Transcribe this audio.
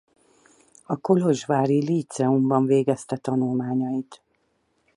A kolozsvári líceumban végezte tanulmányait.